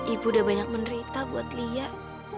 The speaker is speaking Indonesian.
ibu udah banyak menderita buat lia